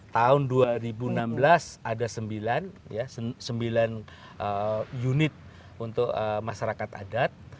tahun dua ribu enam belas ada sembilan unit untuk masyarakat adat